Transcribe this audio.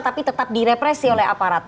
tapi tetap direpresi oleh aparat